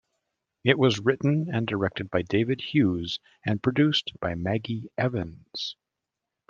It was written and directed by David Hughes and produced by Maggie Evans.